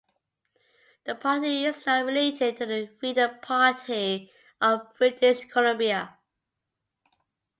The party is not related to the Freedom Party of British Columbia.